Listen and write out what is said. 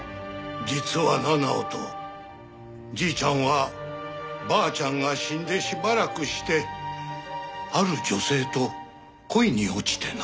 実はな直人じいちゃんはばあちゃんが死んでしばらくしてある女性と恋に落ちてな。